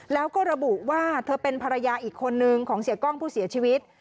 แล้วก็ระบุว่าเธอเป็นภรรยาอีกคนนึงของเสียกล้องผู้เสียชีวิต